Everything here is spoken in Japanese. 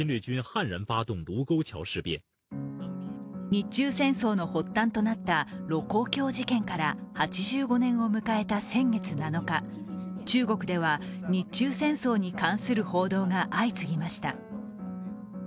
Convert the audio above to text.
日中戦争の発端となった盧溝橋事件から８５年を迎えた先月７日中国では日中戦争に関する報道が相次ぎました。